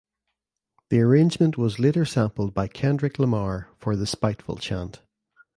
The arrangement was later sampled by Kendrick Lamar for The Spiteful Chant.